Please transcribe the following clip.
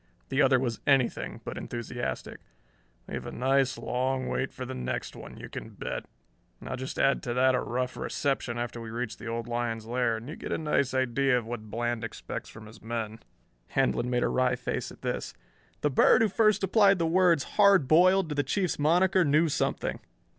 The other was anything but enthusiastic. "We've a nice long wait for the next one, you can bet. Now, just add to that a rough reception after we reach the old lion's lair and you get a nice idea of what Bland expects from his men." Handlon made a wry face at this. "The bird who first applied the words 'Hard Boiled' to the Chief's monniker knew something."